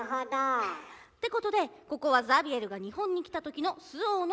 フフッてことでここはザビエルが日本に来たときの周防国。